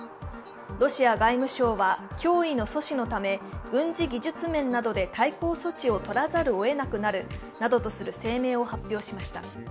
ロシア外務省は脅威の阻止のため、軍事技術面などで対抗措置をとらざるをえなくなるなどと指摘しました。